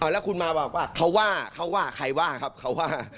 แล้วคุณมาว่าเขาถ้าว่าใครว่าครับเขาว่า